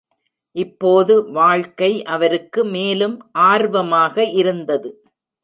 இப்போது வாழ்க்கை அவருக்கு மேலும் ஆர்வமாக இருந்தது